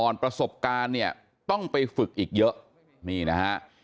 อ่อนประสบการณ์ต้องไปฝึกอีกเยอะ